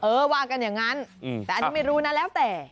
ว่ากันอย่างนั้นแต่อันนี้ไม่รู้นะแล้วแต่